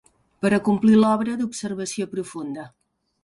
...per a complir l'obra d'observació profunda.